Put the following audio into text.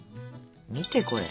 見てこれ。